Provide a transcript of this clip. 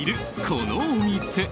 このお店。